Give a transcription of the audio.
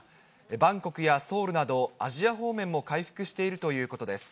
バンコクやソウルなど、アジア方面も回復しているということです。